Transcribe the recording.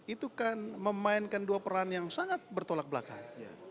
itu kan memainkan dua peran yang sangat bertolak belakang